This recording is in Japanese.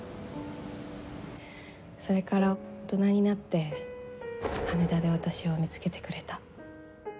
それから大人になって羽田で私を見つけてくれた。